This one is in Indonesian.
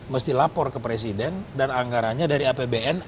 mesti lapor ke presiden dan anggarannya dari apbn